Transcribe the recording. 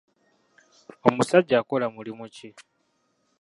Omusajja akola mulimu ki?